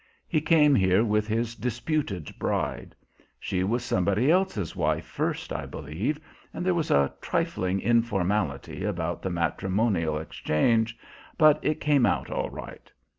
He came here with his disputed bride. She was somebody else's wife first, I believe, and there was a trifling informality about the matrimonial exchange; but it came out all right.